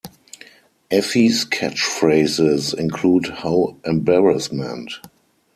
Effie's catchphrases include How embarrassment!